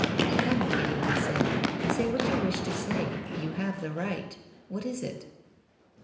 " Come, Kitty," he said. " Say what you wish to say. You have the right. What is it